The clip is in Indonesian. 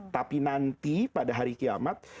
tapi nanti pada hari kiamat